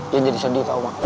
yan jadi sedih tau ma